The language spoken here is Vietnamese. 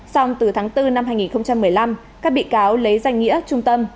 xong từ tháng bốn năm hai nghìn một mươi năm các bị cáo lấy danh nghĩa trung tâm